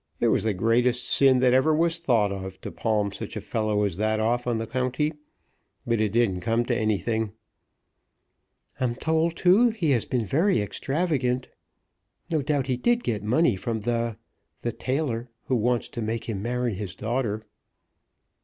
It was the greatest sin that ever was thought of to palm such a fellow as that off on the county; but it didn't come to anything." "I'm told, too, he has been very extravagant. No doubt he did get money from the, the tailor who wants to make him marry his daughter."